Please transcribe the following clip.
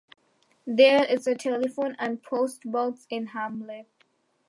There is a telephone and post box in the hamlet.